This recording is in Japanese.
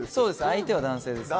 相手は男性ですね。